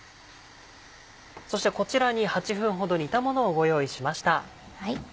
そしてこちらに８分ほど煮たものをご用意しました。